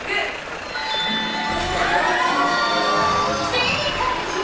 正解じゃ。